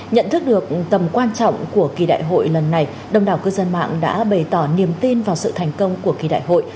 nhận thức được tầm quan trọng của kỳ đại hội lần này đông đảo cư dân mạng đã bày tỏ niềm tin vào sự thành công của kỳ đại hội